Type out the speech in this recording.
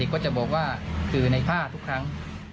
เด็กก็จะบอกว่าคือในภาพทุกครั้ง